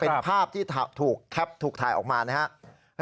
เป็นภาพที่ถูกแคปถูกถ่ายออกมานะครับ